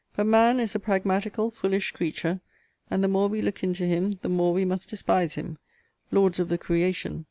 But man is a pragmatical, foolish creature; and the more we look into him, the more we must despise him Lords of the creation!